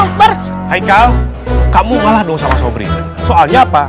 hai hai kau kamu malah dong sama sobri soalnya apa